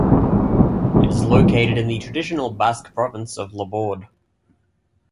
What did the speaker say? It is located in the traditional Basque province of Labourd.